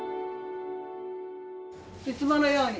いつものように。